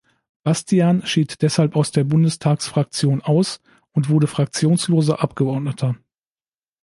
Bastian schied deshalb aus der Bundestagsfraktion aus und wurde Fraktionsloser Abgeordneter.